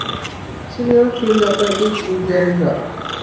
Senior field operative Indian র।